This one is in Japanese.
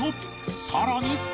さらに